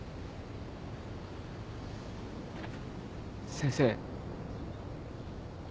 先生。